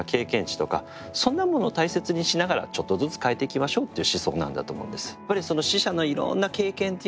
知とかそんなものを大切にしながらちょっとずつ変えていきましょうっていう思想なんだと思うんです。